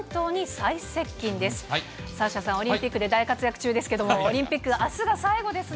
サッシャさん、オリンピックで大活躍中ですけども、オリンピックもあすが最後ですね。